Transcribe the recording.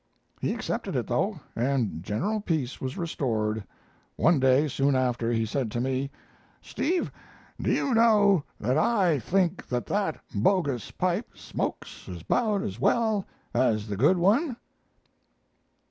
"He accepted it, though, and general peace was restored. One day, soon after, he said to me: "'Steve, do you know that I think that that bogus pipe smokes about as well as the good one?'"